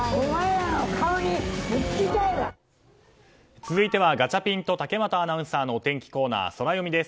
続いてはガチャピンと竹俣さんのお天気コーナー、ソラよみです。